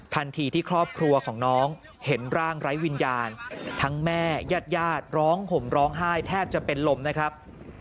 ทันทีที่ครอบครัวของน้องเห็นร่างไร้วิญญาณทั้งแม่ญาติญาติร้องห่มร้องไห้แทบจะเป็นลมนะครับ